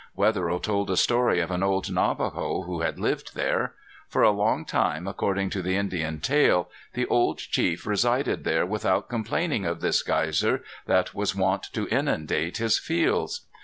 Wetherill told a story of an old Navajo who had lived there. For a long time, according to the Indian tale, the old chief resided there without complaining of this geyser that was wont to inundate his fields.